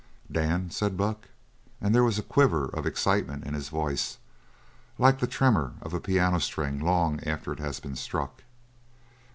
"Dan," said Buck, and there was a quiver of excitement in his voice, like the tremor of a piano string long after it has been struck.